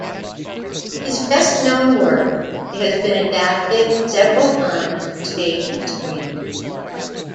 His best-known work, it has been adapted several times for stage and screen.